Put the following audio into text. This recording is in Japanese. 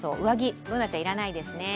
Ｂｏｏｎａちゃん、上着要らないですね。